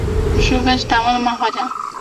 陈淑芬是台湾的漫画家。